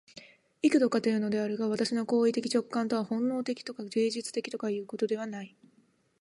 幾度かいうのであるが、私の行為的直観とは本能的とか芸術的とかいうことではない。